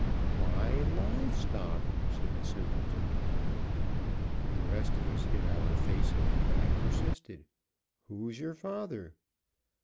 "Why, live stock," said the simpleton. The rest of us hid our faces; but I persisted, "Who's your father?"